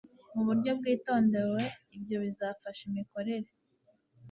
mu buryo bwitondewe Ibyo bizafasha imikorere